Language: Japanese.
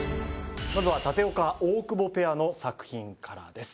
まずは舘岡・大久保ペアの作品からです